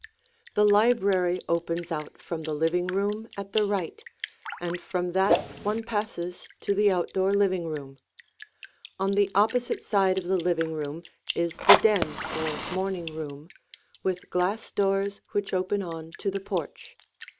[Illustration: The Living Room] The library opens out from the living room at the right, and from that one passes to the outdoor living room. On the opposite side of the living room is the den or morning room, with glass doors which open on to the porch.